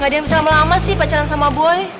gak ada yang bisa lama lama sih pacaran sama boy